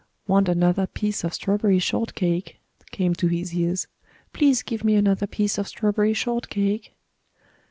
"Want another piece of strawberry shortcake," came to his ears. "Please give me another piece of strawberry shortcake."